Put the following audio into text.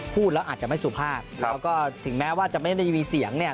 พูดแล้วอาจจะไม่สุภาพแล้วก็ถึงแม้ว่าจะไม่ได้มีเสียงเนี่ย